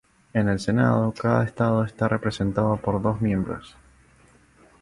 En el Senado, cada estado está representado por dos miembros.